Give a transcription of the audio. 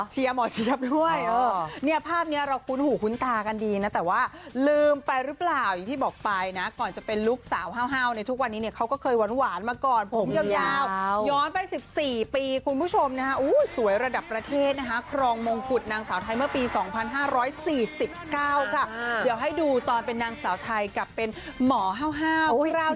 หมอเชียบด้วยเนี่ยภาพนี้เราคุ้นหูคุ้นตากันดีนะแต่ว่าลืมไปหรือเปล่าอย่างที่บอกไปนะก่อนจะเป็นลูกสาวห้าวในทุกวันนี้เนี่ยเขาก็เคยหวานมาก่อนผมยาวย้อนไป๑๔ปีคุณผู้ชมนะฮะสวยระดับประเทศนะคะครองมงกุฎนางสาวไทยเมื่อปี๒๕๔๙ค่ะเดี๋ยวให้ดูตอนเป็นนางสาวไทยกับเป็นหมอห้าว